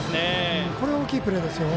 これ、大きいプレーですよ。